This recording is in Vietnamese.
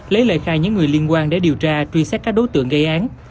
lấy lời khai những người liên quan để điều tra truy xét các đối tượng gây án